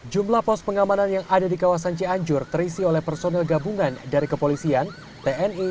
jumlah pos pengamanan yang ada di kawasan cianjur terisi oleh personil gabungan dari kepolisian tni